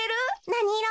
なにいろ？